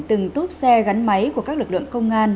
từng tốp xe gắn máy của các lực lượng công an